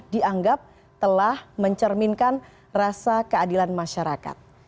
dianggap telah mencerminkan rasa keadilan masyarakat